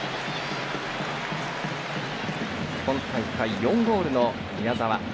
今大会、４ゴールの宮澤。